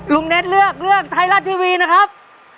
เน็ตเลือกเรื่องไทยรัฐทีวีนะครับ